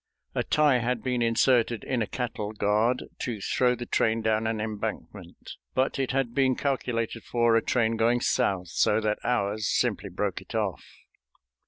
A tie had been inserted in a cattle guard to throw the train down an embankment, but it had been calculated for a train going south, so that ours simply broke it off.